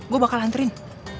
gue bakal anterin